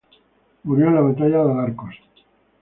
Murió en la Batalla de Alarcos.